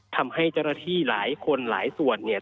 ทำให้เจ้าหน้าที่หลายคนหลายส่วนเนี่ย